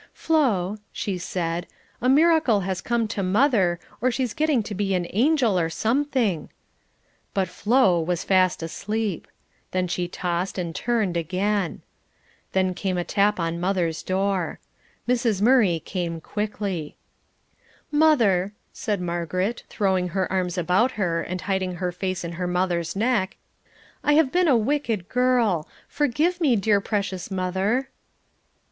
"Flo," she said, "a miracle has come to mother, or she's getting to be an angel, or something," but "Flo" was fast asleep; then she tossed and turned, again. Then came a tap on mother's door. Mrs. Murray came quickly. "Mother," said Margaret, throwing her arms about her, and hiding her face in her mother's neck, "I have been a wicked girl. Forgive me, dear precious mother."